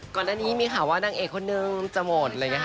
ก่อนหน้านี้มีข่าวว่านางเอกคนนึงจะหมดอะไรอย่างนี้ค่ะ